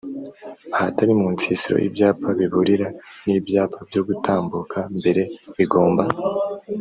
ahatari mu nsisiro ibyapa biburira n ibyapa byo gutambuka mbere bigomba